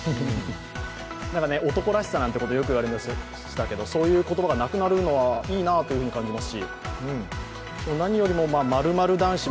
男らしさなんてことをよく言われましたけど、そういう言葉がなくなるのはいいなと感じます。